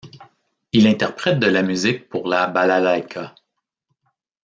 Il interprète de la musique pour la balalaïka.